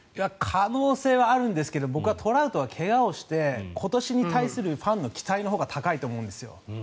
可能性はあるんですけど僕はトラウトは怪我をして今年に対するファンの期待のほうが高いと思うんです。